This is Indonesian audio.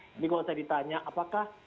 jadi kalau saya ditanya apakah